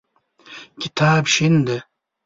کتاب شین دی.